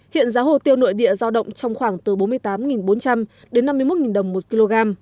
hiện giá hồ tiêu nội địa giao động trong khoảng từ bốn mươi tám bốn trăm linh đến năm mươi một đồng một kg